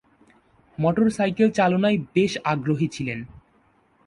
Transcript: Motor cycle চালনায় বেশ আগ্রহী ছিলেন।